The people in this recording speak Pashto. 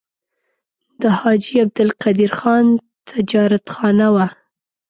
د حاجي عبدالقدیر خان تجارتخانه وه.